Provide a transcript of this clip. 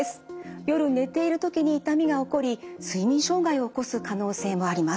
夜寝ている時に痛みが起こり睡眠障害を起こす可能性もあります。